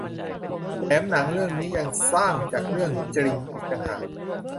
แถมหนังเรื่องนี้ยังสร้างจากเรื่องจริงอีกต่างหาก